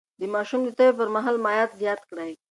د ماشوم د تبه پر مهال مايعات زيات کړئ.